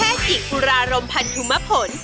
แพร่หญิงอุรารมณ์พันธุมภน